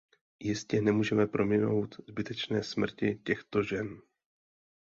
Jistě nemůžeme prominout zbytečné smrti těchto žen?